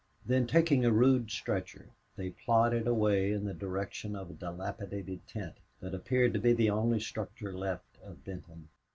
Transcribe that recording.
Then, taking a rude stretcher, they plodded away in the direction of a dilapidated tent that appeared to be the only structure left of Benton.